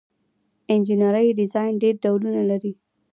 انجنیری ډیزاین ډیر ډولونه لري.